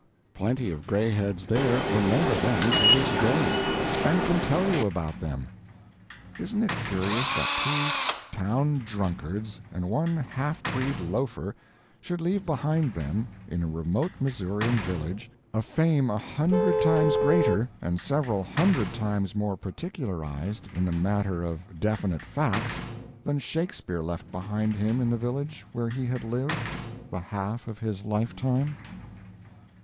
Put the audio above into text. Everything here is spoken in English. Plenty of grayheads there remember them to this day, and can tell you about them. Isn't it curious that two "town drunkards" and one half breed loafer should leave behind them, in a remote Missourian village, a fame a hundred times greater and several hundred times more particularized in the matter of definite facts than Shakespeare left behind him in the village where he had lived the half of his lifetime?